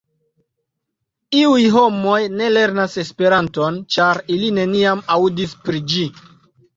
Iuj homoj ne lernas Esperanton, ĉar ili neniam aŭdis pri ĝi.